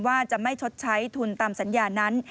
ว่าจะไม่ชดใช้ทุนตามสัญญานั้น